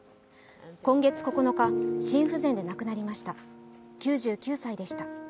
今月９日、心不全で亡くなりました９９歳でした。